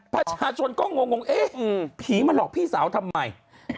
ประชาชนก็งงเอ๊ะผีมาหลอกพี่สาวทำไม